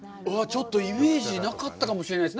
ちょっとイメージなかったかもしれないです。